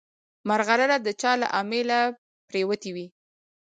مرغلره د چا له امیله پرېوتې وي.